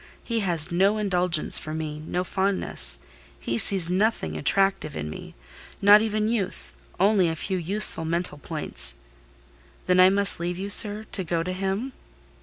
He has no indulgence for me—no fondness. He sees nothing attractive in me; not even youth—only a few useful mental points.—Then I must leave you, sir, to go to him?"